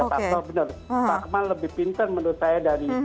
pak kemal lebih pintar menurut saya dari